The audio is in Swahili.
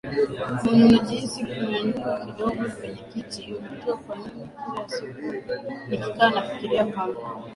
mwenyewe unajihisi kunyanyuka kidogo kwenye kiti Unajua kwa mimi kila siku nikikaa nafikiria kwamba